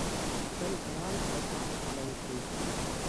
تل حلال او پاک خواړه وخورئ.